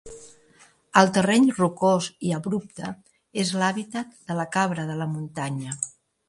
El terreny rocós i abrupte és l'hàbitat de la cabra de muntanya.